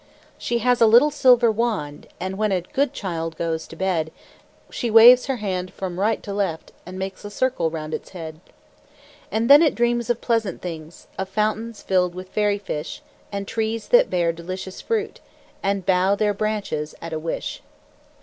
She has a little silver wand, And when a good child goes to bed, She waves her hand from right to left, And makes a circle round its head. And then it dreams of pleasant things Of fountains filled with fairy fish, And trees that bear delicious fruit, And bow their branches at a wish.